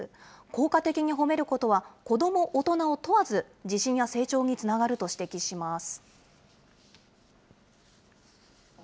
効果的に褒めることは、子ども、大人を問わず、自信や成長につながると指摘します。